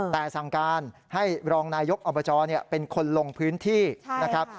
แต่สั่งการให้รองนายกอบจเป็นคนลงพื้นที่นะครับ